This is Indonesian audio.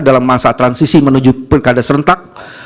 dalam masa transisi menuju pilkada serentak